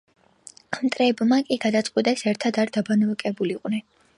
მტრებმა კი გადაწყვიტეს ერთად არ დაბანაკებულიყვნენ.